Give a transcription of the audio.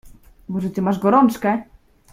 "Może ty masz gorączkę?"